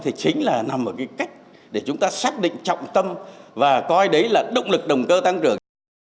thì chính là nằm ở cái cách để chúng ta xác định trọng tâm và coi đấy là động lực động cơ tăng trưởng